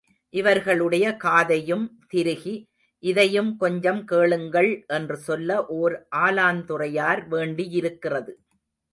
இவர்களுடைய காதையும் திருகி, இதையும் கொஞ்சம் கேளுங்கள் என்று சொல்ல ஓர் ஆலாந்துறையார் வேண்டியிருக்கிறது.